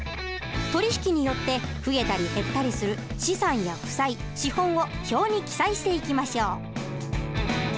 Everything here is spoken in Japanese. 取り引きによって増えたり減ったりする資産や負債資本を表に記載していきましょう。